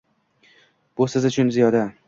Biz uchun siz ziyoda.